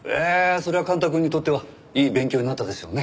それは幹太くんにとってはいい勉強になったでしょうね。